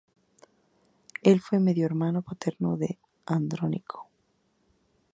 Él fue medio hermano paterno de Andrónico.